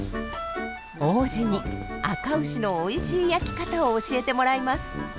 王子にあかうしのおいしい焼き方を教えてもらいます。